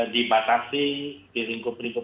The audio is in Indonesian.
dibatasi di lingkup lingkup